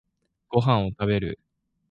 ご飯を食べる。